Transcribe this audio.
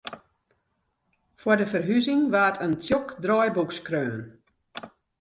Foar de ferhuzing waard in tsjok draaiboek skreaun.